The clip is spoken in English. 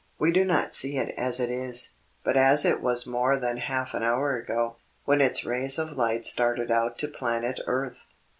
We do not see it as it is, but as it was more than half an hour ago, when its rays of light started out to Planet Earth.